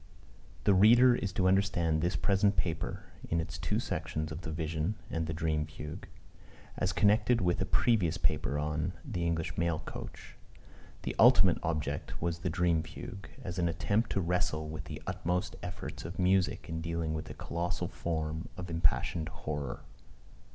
[THE reader is to understand this present paper, in its two sections of The Vision, &c., and The Dream Fugue, as connected with a previous paper on The English Mail Coach. The ultimate object was the Dream Fugue, as an attempt to wrestle with the utmost efforts of music in dealing with a colossal form of impassioned horror.